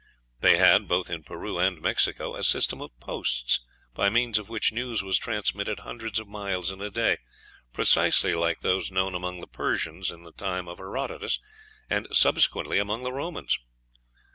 They had, both in Peru and Mexico, a system of posts, by means of which news was transmitted hundreds of miles in a day, precisely like those known among the Persians in the time of Herodotus, and subsequently among the Romans.